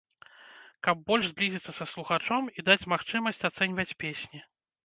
Каб больш зблізіцца са слухачом і даць магчымасць ацэньваць песні.